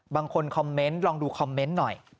บางคนคอมเมนต์ลองดูคอมเมนต์หน่อย